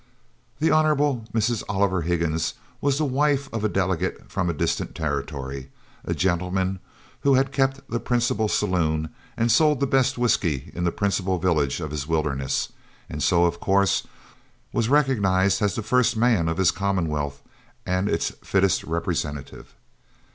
The Hon. Mrs. Oliver Higgins was the wife of a delegate from a distant territory a gentleman who had kept the principal "saloon," and sold the best whiskey in the principal village in his wilderness, and so, of course, was recognized as the first man of his commonwealth and its fittest representative.